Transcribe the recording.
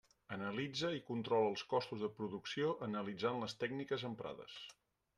Analitza i controla els costos de producció analitzant les tècniques emprades.